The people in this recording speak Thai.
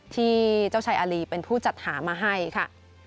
ที่เจ้าชายอารีเป็นผู้จัดหามาให้ค่ะ